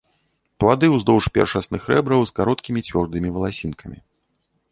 Плады ўздоўж першасных рэбраў з кароткімі цвёрдымі валасінкамі.